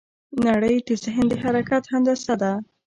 نړۍ د ذهن د حرکت هندسه ده.